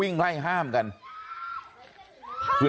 บอกแล้วบอกแล้วบอกแล้ว